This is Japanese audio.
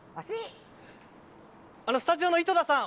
スタジオの井戸田さん